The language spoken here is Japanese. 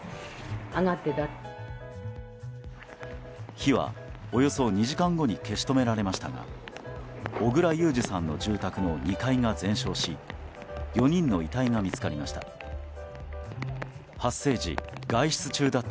火は、およそ２時間後に消し止められましたが小倉裕治さんの住宅の２階が全焼し４人の遺体が見つかりました。